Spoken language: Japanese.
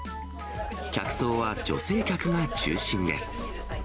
客層は女性客が中心です。